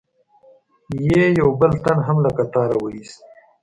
یې یو بل تن هم له قطاره و ایست.